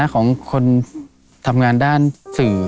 ของคนทำงานด้านสื่อ